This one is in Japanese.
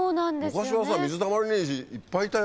昔は水たまりにいっぱいいたよ。